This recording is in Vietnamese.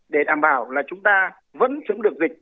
để đảm bảo là chúng ta vẫn chống được dịch